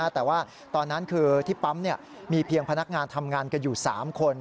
แต่ว่าตอนนั้นคือที่ปั๊มมีเพียงพนักงานทำงานกันอยู่๓คน